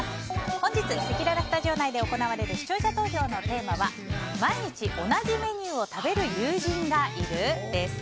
本日せきららスタジオ内で行われる視聴者投票のテーマは毎日同じメニューを食べる友人がいる？です。